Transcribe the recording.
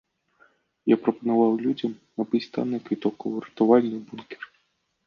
Я прапаноўваў людзям набыць танны квіток у выратавальны бункер.